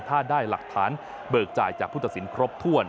ถ้าได้หลักฐานเบิกจ่ายจากผู้ตัดสินครบถ้วน